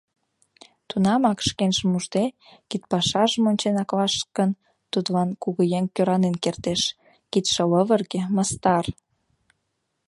Тунамак, шкенжым ужде, кидпашажым ончен аклаш гын, тудлан кугыеҥ кӧранен кертеш — кидше лывырге, мастар.